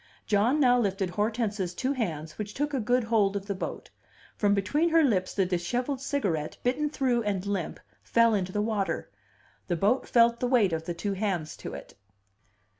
John now lifted Hortense's two hands, which took a good hold of the boat. From between her lips the dishevelled cigarette, bitten through and limp, fell into the water. The boat felt the weight of the two hands to it.